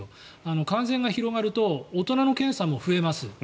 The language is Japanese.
感染が広がると大人の検査も増えます。